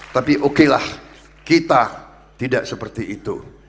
tapi okelah kita tidak seperti itu